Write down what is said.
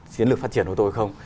chiến lược phát triển ô tô hay không